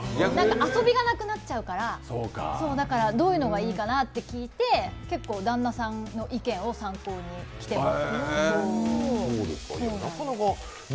遊びがなくなっちゃうから、どういうのがいいかなって聞いて結構、旦那さんの意見を参考に着てます。